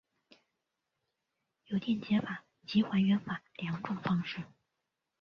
有电解法及还原法两种方式。